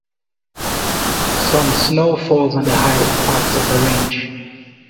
Some snow falls on the highest parts of the range.